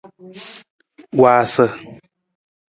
Waasa.